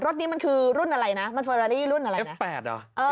รถนี้มันคือรุ่นอะไรนะมันเฟอรารี่รุ่นอะไรนะ